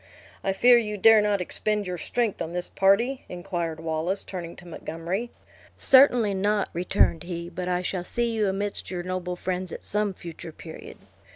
"I fear you dare not expend your strength on this party?" inquired Wallace, turning to Montgomery. "Certainly not," returned he; "but I shall see you amidst your noble friends, at some future period.